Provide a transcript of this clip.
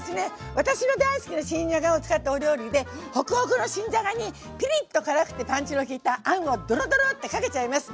私の大好きな新じゃがを使ったお料理でホクホクの新じゃがにピリッと辛くてパンチの利いたあんをドロドローってかけちゃいます。